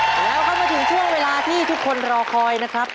แล้วก็มาถึงช่วงเวลาที่ทุกคนรอคอยนะครับ